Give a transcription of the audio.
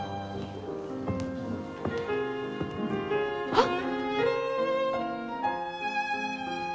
あっ！